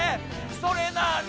それなに？